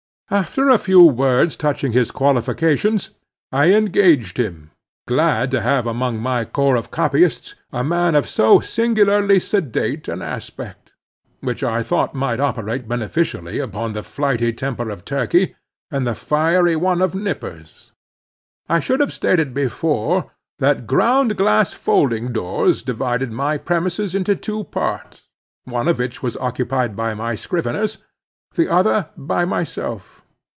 After a few words touching his qualifications, I engaged him, glad to have among my corps of copyists a man of so singularly sedate an aspect, which I thought might operate beneficially upon the flighty temper of Turkey, and the fiery one of Nippers. I should have stated before that ground glass folding doors divided my premises into two parts, one of which was occupied by my scriveners, the other by myself.